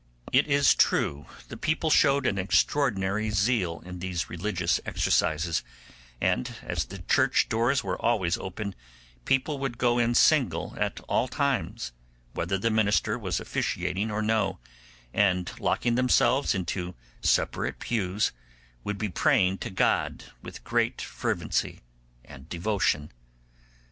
It is true the people showed an extraordinary zeal in these religious exercises, and as the church doors were always open, people would go in single at all times, whether the minister was officiating or no, and locking themselves into separate pews, would be praying to God with great fervency and devotion.